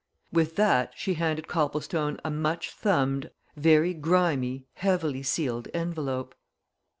With that she handed Copplestone a much thumbed, very grimy, heavily sealed envelope.